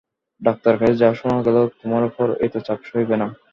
ডাক্তারের কাছে যা শোনা গেল, তোমার উপর এত চাপ সইবে না।